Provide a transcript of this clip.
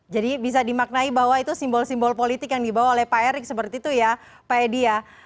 jadi bisa dimaknai bahwa itu simbol simbol politik yang dibawa oleh pak erick seperti itu ya pak edi ya